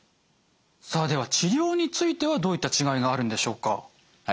さあでは治療についてはどういった違いがあるんでしょうか？